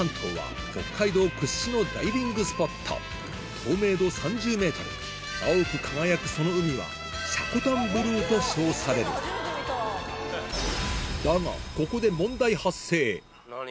透明度３０ｍ青く輝くその海は「積丹ブルー」と称されるだがここで何？